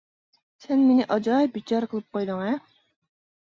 سەن مېنى ئاجايىپ بىچارە قىلىپ قويدۇڭ ھە؟ !